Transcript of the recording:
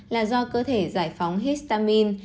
là do cơ thể giải phóng histamine